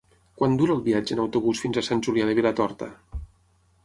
Quant dura el viatge en autobús fins a Sant Julià de Vilatorta?